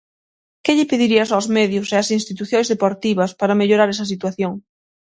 Que lle pedirías aos medios e ás institucións deportivas para mellorar esa situación?